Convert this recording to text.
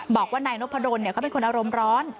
บอกว่านายนกพะโดนเนี่ยก็เป็นคนอารมณ์ร้อน